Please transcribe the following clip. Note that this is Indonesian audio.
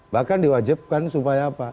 bahkan diwajibkan supaya apa